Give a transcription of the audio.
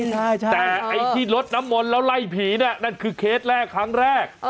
แต่ไอ้ที่ลดน้ำมนต์แล้วไล่ผีน่ะนั่นคือเคสแรกครั้งแรก